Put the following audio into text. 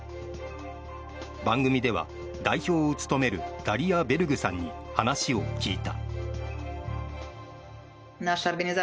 番組では、代表を務めるダリヤ・ベルグさんに話を聞いた。